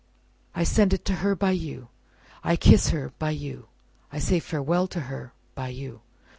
"I send it to her by you. I kiss her by you. I say farewell to her by you."